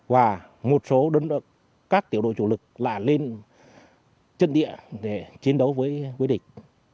và một số các tiểu đội chủ lực là lên chân địa để chiến đấu với địch